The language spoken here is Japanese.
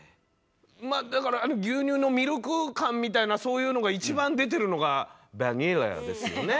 まあだから牛乳のミルク感みたいなそういうのが一番出てるのがヴァニラですよね。